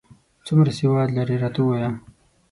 څومره سواد لرې، راته ووایه ؟